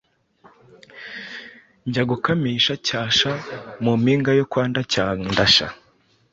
njya gukamisha cyasha mu mpinga yo kwa Ntacyandasa.